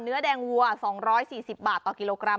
เนื้อแดงวัว๒๔๐บาทต่อกิโลกรัม